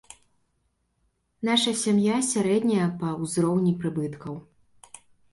Наша сям'я сярэдняя па ўзроўні прыбыткаў.